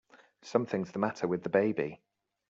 Something's the matter with the baby!